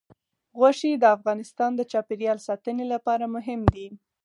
غوښې د افغانستان د چاپیریال ساتنې لپاره مهم دي.